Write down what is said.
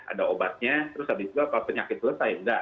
ada obatnya terus abis itu kalau penyakit selesai enggak